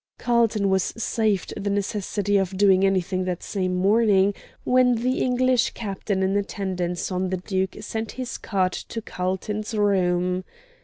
Carlton was saved the necessity of doing anything that same morning, when the English captain in attendance on the Duke sent his card to Carlton's room.